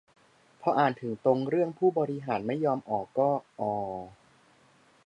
พออ่านถึงตรงเรื่องผู้บริหารไม่ยอมออกก็ อ่อออ